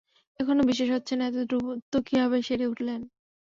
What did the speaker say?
এখনো বিশ্বাস হচ্ছে না এত দ্রুত কীভাবে সেরে উঠলেন?